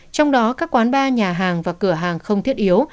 trong đó các quán bar nhà hàng và cửa hàng không thiết yếu